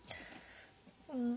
うん。